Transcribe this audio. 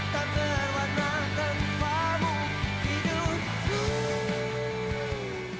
tak berwarna tanpamu hidupku